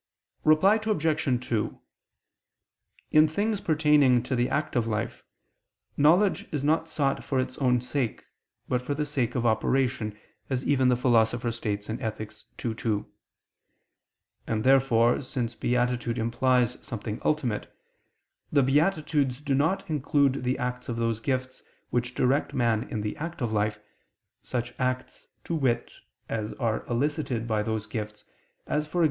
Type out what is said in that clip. Reply Obj. 2: In things pertaining to the active life, knowledge is not sought for its own sake, but for the sake of operation, as even the Philosopher states (Ethic. ii, 2). And therefore, since beatitude implies something ultimate, the beatitudes do not include the acts of those gifts which direct man in the active life, such acts, to wit, as are elicited by those gifts, as, e.g.